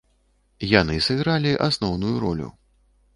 Яны сыгралі асноўную ролю.